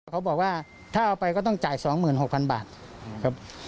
เขาบอกว่าถ้าเอาไปก็ต้องจ่ายสองหมื่นหกพันบาทครับ